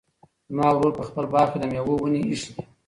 زما ورور په خپل باغ کې د مېوو ونې ایښي دي.